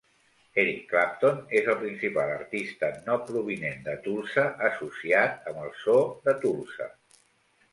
Eric Clapton és el principal artista no provinent de Tulsa associat amb el so de Tulsa.